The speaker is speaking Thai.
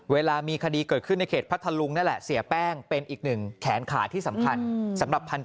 เวลามีคดีเกิดขึ้นในเขตพระทะลุงนั่นแหละ